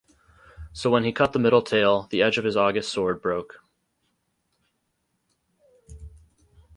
So when he cut the middle tail, the edge of his august sword broke.